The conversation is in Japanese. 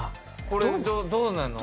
これどうなの？